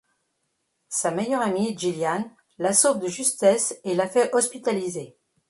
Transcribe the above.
Sa meilleure amie, Gillian, la sauve de justesse et la fait hospitaliser.